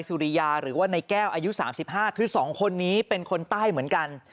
สุริยาหรือว่าในแก้วอายุ๓๕คือ๒คนนี้เป็นคนใต้เหมือนกัน